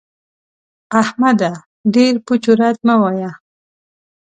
احمده! ډېر پوچ و رد مه وايه.